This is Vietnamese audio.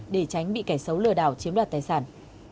để tránh bị kẻ xấu lừa đảo chiếm đoạt tài sản